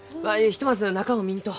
ひとまず中を見んと。